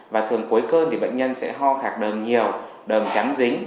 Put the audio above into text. và thường cuối cân thì bệnh nhân sẽ ho khạc đờm nhiều đờm trắng dính